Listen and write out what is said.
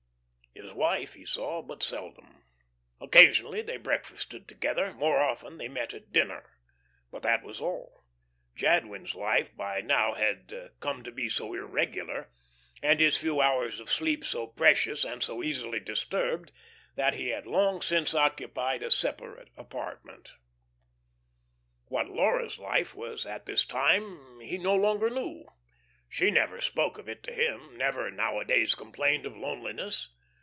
"_ His wife he saw but seldom. Occasionally they breakfasted together; more often they met at dinner. But that was all. Jadwin's life by now had come to be so irregular, and his few hours of sleep so precious and so easily disturbed, that he had long since occupied a separate apartment. What Laura's life was at this time he no longer knew. She never spoke of it to him; never nowadays complained of loneliness.